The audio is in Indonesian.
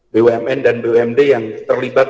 bumn dan bumd yang terlibat